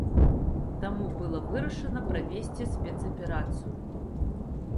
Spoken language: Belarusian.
Таму было вырашана правесці спецаперацыю.